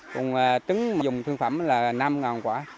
cùng trứng dùng thương phẩm là năm con